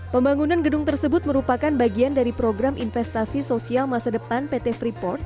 pembangunan gedung tersebut merupakan bagian dari program investasi sosial masa depan pt freeport